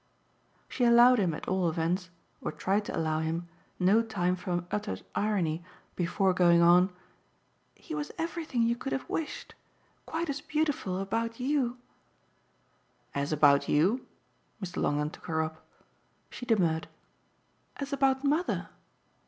'" She allowed him at all events or tried to allow him no time for uttered irony before going on: "He was everything you could have wished; quite as beautiful about YOU " "As about you?" Mr. Longdon took her up. She demurred. "As about mother."